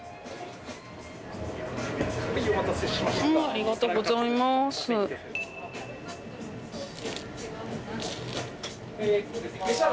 お待たせしました。